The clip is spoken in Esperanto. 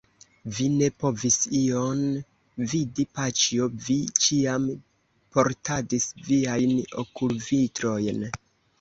Vi ne povis ion vidi, paĉjo, vi ĉiam portadis viajn okulvitrojn.